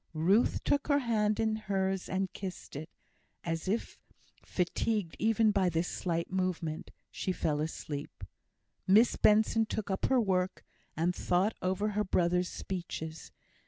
Ruth took her hand in hers and kissed it; then, as if fatigued even by this slight movement, she fell asleep. Miss Benson took up her work, and thought over her brother's speeches.